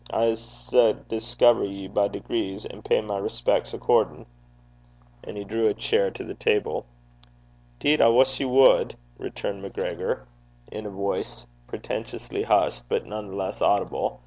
I s' discover ye by degrees, and pay my respecks accordin'.' And he drew a chair to the table. ''Deed I wuss ye wad,' returned MacGregor, in a voice pretentiously hushed, but none the less audible.